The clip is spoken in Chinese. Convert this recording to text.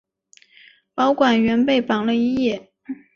保管员被绑了一夜。